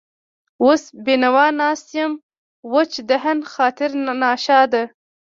وس بېنوا ناست يم وچ دهن، خاطر ناشاده